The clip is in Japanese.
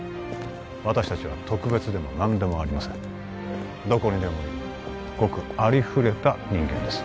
私たちは特別でも何でもありませんどこにでもいるごくありふれた人間です